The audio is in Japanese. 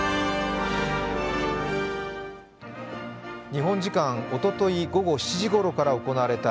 日本時間おととい午後７時ごろから行われた